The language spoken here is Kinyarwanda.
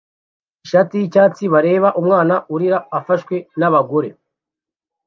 ishati yicyatsi bareba umwana urira ufashwe nabagore